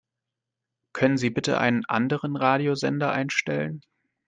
Können Sie bitte einen anderen Radiosender einstellen?